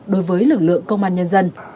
đối với lực lượng công an nhân dân